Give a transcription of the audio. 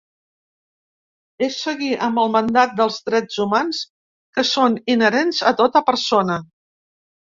És seguir amb el mandat dels drets humans que són inherents a tota persona.